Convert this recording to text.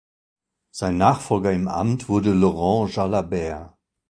Sein Nachfolger im Amt wurde Laurent Jalabert.